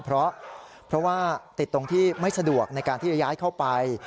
เพราะว่าติดตรงที่ไม่สะดวกในการที่จะย้ายเข้าไป